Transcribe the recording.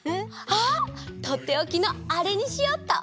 あっとっておきのあれにしよっと！